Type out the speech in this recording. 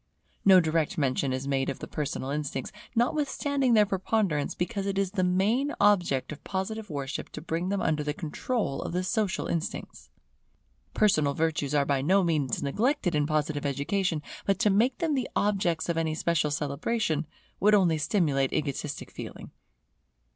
No direct mention is made of the personal instincts, notwithstanding their preponderance, because it is the main object of Positive worship to bring them under the control of the social instincts. Personal virtues are by no means neglected in Positive education; but to make them the objects of any special celebration, would only stimulate egotistic feeling.